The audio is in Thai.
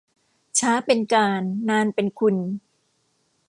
ช้าเป็นการ นานเป็นคุณ